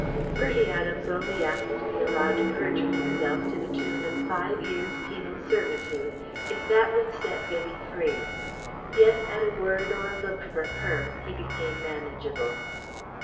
Bertie Adams only asked to be allowed to perjure himself to the tune of Five Years' penal servitude if that would set Vivie free. Yet at a word or a look from her he became manageable.